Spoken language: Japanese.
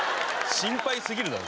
心配すぎるだろ。